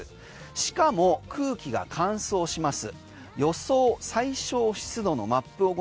しかも空気が乾燥します。